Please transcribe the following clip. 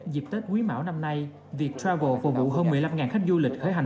dịp tết quý mảo năm nay việc travel phục vụ hơn một mươi năm khách du lịch khởi hành